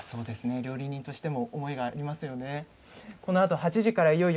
料理人としても思いがありますよね。